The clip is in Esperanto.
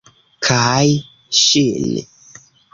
Kaj ŝin.